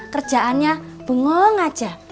kerjaannya bengong aja